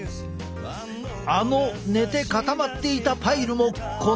あの寝て固まっていたパイルもこのとおり。